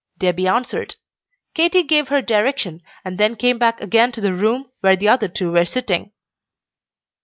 Debby answered. Katy gave her direction, and then came back again to the room where the other two were sitting.